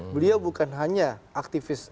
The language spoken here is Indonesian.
beliau bukan hanya aktivis